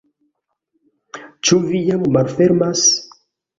Ĉu vi jam malfermas?